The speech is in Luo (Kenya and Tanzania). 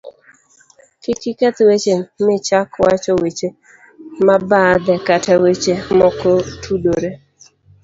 kik iketh weche michak wacho weche mabathe kata weche mokotudore